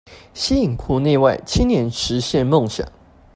吸引國內外青年實現夢想